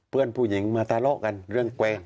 เพื่อนผู้หญิงมาทะเลาะกันเรื่องแกวง